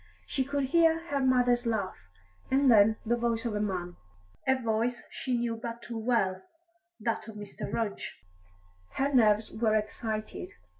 She could hear her mother's laugh, and then the voice of a man, a voice she knew but too well that of Mr. Rudge. Her nerves were excited.